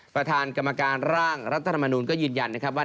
ประธานกรรมการร่างรัฐธรรมนูลก็ยืนยันนะครับว่า